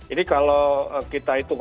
ini kalau kita hitung